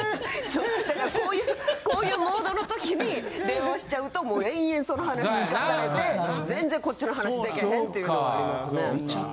だからこういうモードの時に電話しちゃうと延々その話聞かされて全然こっちの話できへんっていうのはありますね。